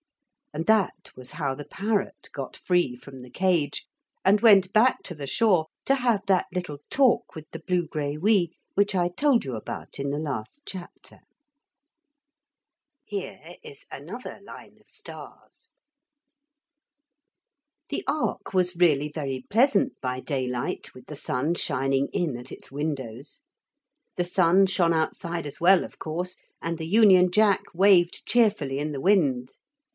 And that was how the parrot got free from the cage and went back to the shore to have that little talk with the blugraiwee which I told you about in the last chapter. The ark was really very pleasant by daylight with the sun shining in at its windows. The sun shone outside as well, of course, and the Union Jack waved cheerfully in the wind.